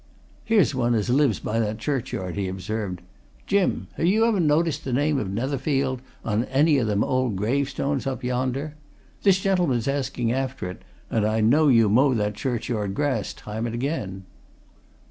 "Here's one as lives by that churchyard," he observed. "Jim! ha' you ever noticed the name of Netherfield on any o' them old gravestones up yonder? This gentleman's asking after it, and I know you mow that churchyard grass time and again."